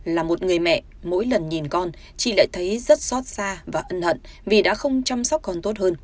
là một người mẹ mỗi lần nhìn con chị lại thấy rất xót xa và ân hận vì đã không chăm sóc con tốt hơn